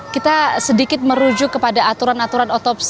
kita sedikit merujuk kepada aturan aturan otopsi